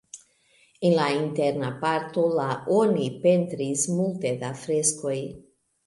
En la interna parto la oni pentris multe da freskoj.